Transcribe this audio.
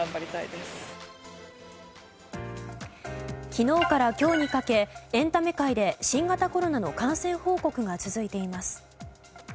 昨日から今日にかけエンタメ界で新型コロナの感染報告が続いています。